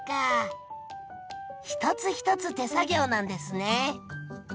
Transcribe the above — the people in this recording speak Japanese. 一つ一つ手作業なんですね。